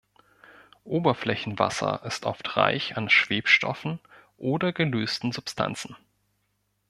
Oberflächenwasser ist oft reich an Schwebstoffen oder gelösten Substanzen.